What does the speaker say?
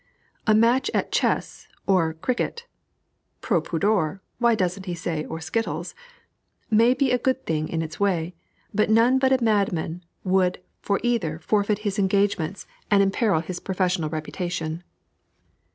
A match at chess or cricket (proh pudor! why don't he say, "or skittles"?) may be a good thing in its way, but none but a madman would for either forfeit his engagements and imperil his professional reputation.